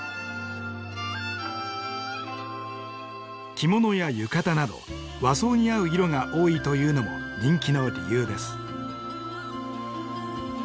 着物や浴衣など和装に合う色が多いというのも人気の理由です。